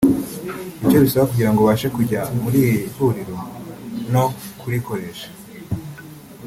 Icyo bisaba kugirango ubashe kujya muri iri huriro no kurikoresha